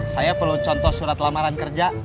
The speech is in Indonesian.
saya perlu contoh surat lamaran kerja